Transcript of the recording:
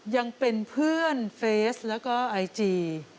ยังเป็นเพื่อนเฟสแล้วก็ไอจี